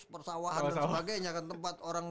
persawahan dan sebagainya kan tempat orang